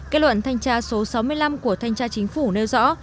kết luận thanh tra số sáu mươi năm của thanh tra chính phủ nêu rõ